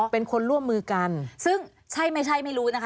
เป็นคนร่วมมือกันซึ่งใช่ไม่ใช่ไม่รู้นะคะ